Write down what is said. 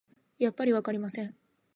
やっぱりわかりません